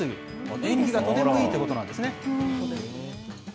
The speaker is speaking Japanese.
縁起がとてもいいということなんですね。